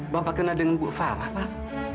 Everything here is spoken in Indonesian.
bapak kena dengan bu farah pak